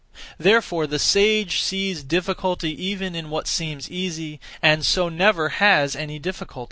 Therefore the sage sees difficulty even in what seems easy, and so never has any difficulties.